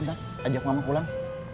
nintan ajak mama pulang